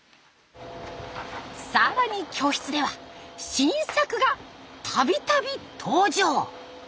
更に教室では新作がたびたび登場。